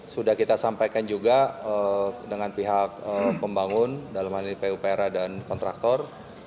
sudah kita sampaikan juga dengan pihak pembangun dalam hal ini pupera dan kontraktor